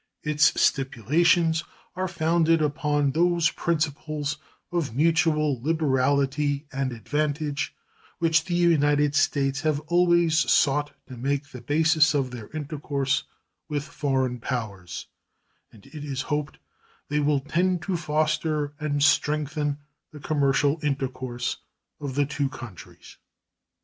Its stipulations are founded upon those principles of mutual liberality and advantage which the United States have always sought to make the basis of their intercourse with foreign powers, and it is hoped they will tend to foster and strengthen the commercial intercourse of the two countries.